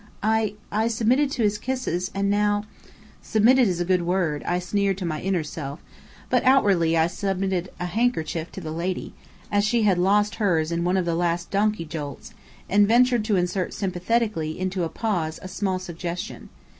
I I submitted to his kisses, and now " "'Submitted' is a good word," I sneered to my inner self, but outwardly I submitted a handkerchief to the lady, as she had lost hers in one of the last donkey jolts, and ventured to insert sympathetically into a pause a small suggestion.